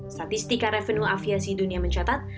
statistika revenue aviasi dunia mencatat